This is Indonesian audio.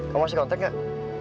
kamu masih kontak gak